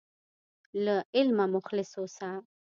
له علمه مخلص اوسه.